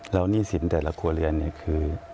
แล้วหนี้สินแต่ละครัวเรือนเนี่ยคือ